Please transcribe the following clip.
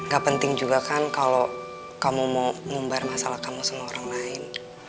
gak penting juga kan kalau kamu mau ngumbar masalah kamu sama orang lain